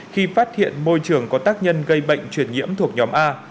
khi phát hiện môi trường có tác nhân gây bệnh truyền nhiễm thuộc nhóm a